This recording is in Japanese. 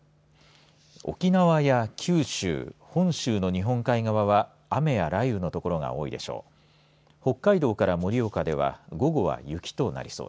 沖縄や九州本州の日本海側は雨や雷雨の所が多いでしょう。